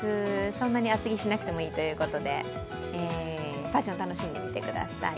そんなに厚着しなくてもいいということでファッションを楽しんでみてください。